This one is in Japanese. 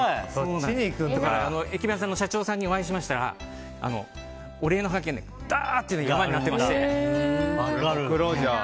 駅弁屋さんの社長さんにお会いしましたらお礼のはがきが山になっていまして。